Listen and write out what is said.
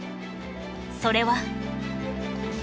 それは